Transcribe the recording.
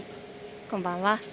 こんばんは。